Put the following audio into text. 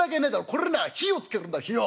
これな火をつけるんだ火を。